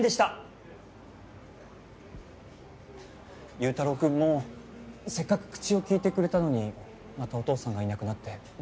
優太郎くんもせっかく口を利いてくれたのにまたお父さんがいなくなって動揺してますよね？